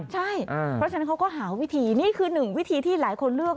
ใช่เพราะฉะนั้นเขาก็หาวิธีนี่คือหนึ่งวิธีที่หลายคนเลือก